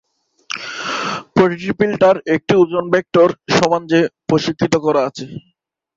প্রতিটি ফিল্টার একটি ওজন ভেক্টর সমান যে প্রশিক্ষিত করা আছে।